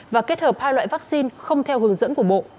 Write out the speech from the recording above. và kết hợp hai loại vaccine không theo hướng dẫn của bộ